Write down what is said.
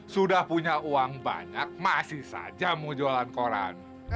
sudah punya uang banyak masih saja mau jualan koran